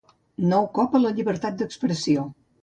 Nou cop a la llibertat d’expressió.